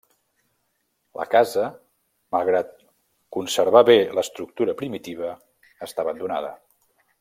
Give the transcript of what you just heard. La casa, malgrat conservar bé l'estructura primitiva, està abandonada.